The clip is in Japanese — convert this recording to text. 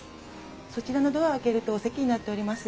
そちらのドアを開けるとお席になっております。